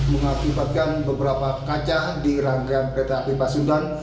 mengakibatkan beberapa kaca di rangkaian kereta api pasundan